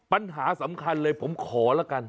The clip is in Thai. ปัญหาสำคัญเลยผมขอละกัน